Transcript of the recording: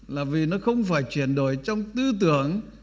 là vì nó không phải chuyển đổi trong tư tưởng